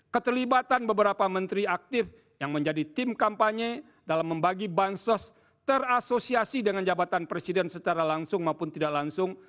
keterlibatan beberapa menteri aktif yang menjadi tim kampanye dalam membagi bansos terasosiasi dengan jabatan presiden secara langsung maupun tidak langsung